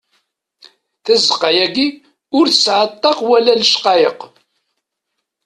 Tazeqqa-agi ur tesɛa ṭṭaq wala lecqayeq.